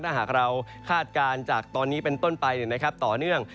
ถ้าหากเราคาดการณ์จากตอนนี้เป็นต้นไปต่อเนื่อง